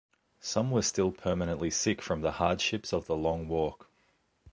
Some were still permanently sick from the hardships of the Long Walk.